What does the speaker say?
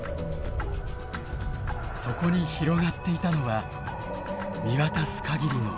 そこに広がっていたのは見渡す限りの緑。